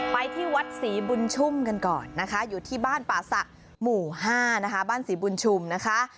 ไปที่วัดศรีบุญชุ่มกันก่อนนะคะอยู่ที่บ้านป่าศักดิ์หมู่๕นะคะบ้านศรีบุญชุมนะคะ